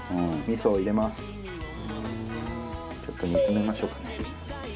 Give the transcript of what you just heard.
ちょっと煮詰めましょうかね。